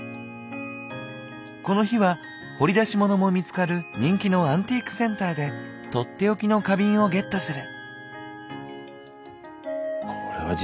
この日は掘り出し物も見つかる人気のアンティークセンターで取って置きの花瓶をゲットする。